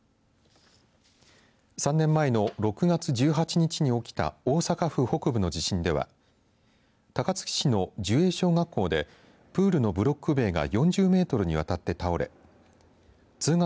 ３年前の６月１８日に起きた大阪府北部の地震では高槻市の寿栄小学校でプールのブロック塀が４０メートルにわたって倒れ通学